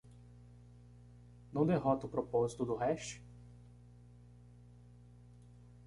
Não derrota o propósito do hash?